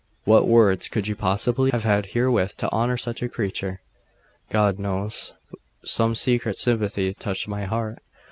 What words could you possibly have had wherewith to honour such a creature?' 'God knows. Some secret sympathy touched my heart....